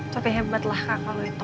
tapi hebat lah kakak lo itu